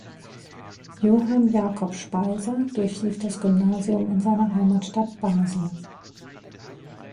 Johann Jakob Speiser durchlief das Gymnasium in seiner Heimatstadt Basel.